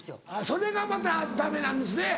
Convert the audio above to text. それがまたダメなんですね